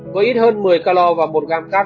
với ít hơn một mươi calor và một gram cap